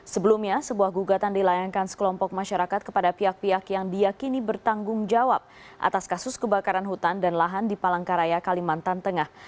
sebelumnya sebuah gugatan dilayangkan sekelompok masyarakat kepada pihak pihak yang diakini bertanggung jawab atas kasus kebakaran hutan dan lahan di palangkaraya kalimantan tengah